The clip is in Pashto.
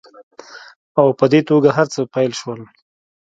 او په دې توګه هرڅه پیل شول